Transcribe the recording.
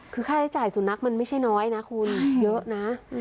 คือค่าใช้จ่ายสุนัขมันไม่ใช่น้อยนะคุณเยอะนะ